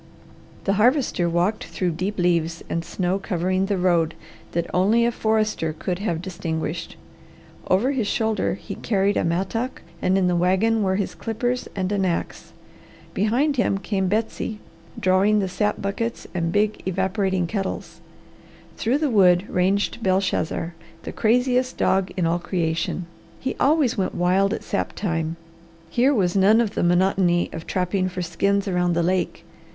The Harvester walked through deep leaves and snow covering the road that only a forester could have distinguished. Over his shoulder he carried a mattock, and in the wagon were his clippers and an ax. Behind him came Betsy drawing the sap buckets and big evaporating kettles. Through the wood ranged Belshazzar, the craziest dog in all creation. He always went wild at sap time. Here was none of the monotony of trapping for skins around the lake.